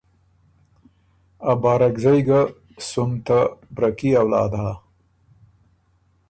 ا بارکزئ ګه، سُم ته بره کي اولاد هۀ